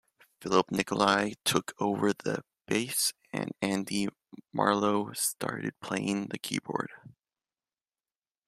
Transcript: Filip Nikolic took over the bass and Andy Marlow started playing the keyboards.